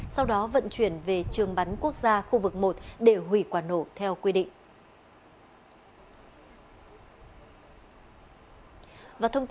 sau đó vận chuyển về trường bắn quốc gia khu vực một để hủy quả nổ theo quy định